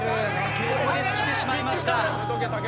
燃え尽きてしまいました。